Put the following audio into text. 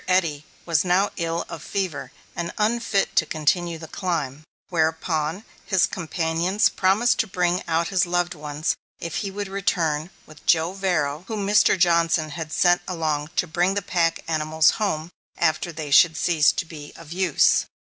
Eddy was now ill of fever, and unfit to continue the climb; whereupon his companions promised to bring out his loved ones if he would return with Joe Varro, whom Mr. Johnson had sent along to bring the pack animals home after they should cease to be of use.